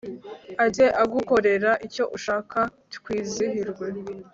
ajye agukorera icyo ushaka twizihirwe